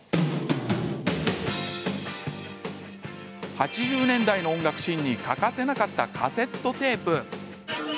８０年代の音楽シーンに欠かせなかったカセットテープ。